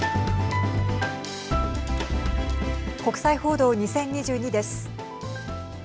国際報道２０２２です。